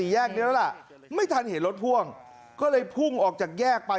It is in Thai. แยกนี้แล้วล่ะไม่ทันเห็นรถพ่วงก็เลยพุ่งออกจากแยกไป